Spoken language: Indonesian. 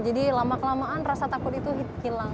jadi lama kelamaan rasa takut itu hilang